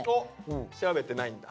調べてないんだ。